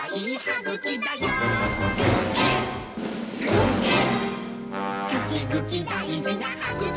ぐきぐきだいじなはぐきだよ！」